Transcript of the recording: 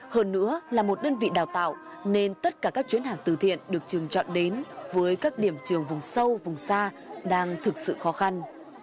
hơn nữa là một đơn vị đào tạo nên tất cả các chuyến hàng từ thiện được trường chọn đến với các điểm trường vùng sâu vùng xa đang thực sự khó khăn